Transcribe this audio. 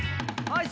はい。